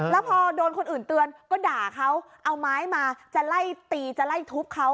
แล้วพอโดนคนอื่นเตือนก็ด่าเขาเอาไม้มาจะไล่ตีจะไล่ทุบเขา